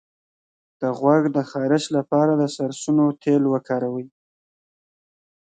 د غوږ د خارش لپاره د سرسونو تېل وکاروئ